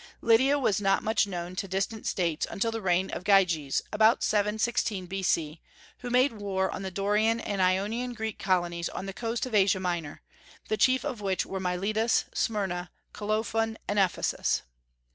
Lydia was not much known to distant States until the reign of Gyges, about 716 B.C., who made war on the Dorian and Ionian Greek colonies on the coast of Asia Minor, the chief of which were Miletus, Smyrna, Colophon, and Ephesus.